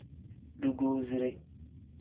Dugusire.